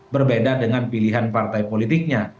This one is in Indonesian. berbeda dengan pilihan partai politiknya